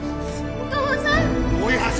お父さん！